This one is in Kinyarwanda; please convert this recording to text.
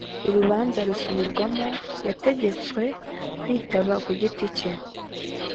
urubanza rusubirwamo yategetswe kwitaba ku giti cye